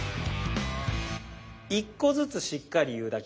１個ずつしっかり言うだけ。